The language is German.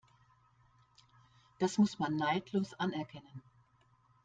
Das muss man neidlos anerkennen.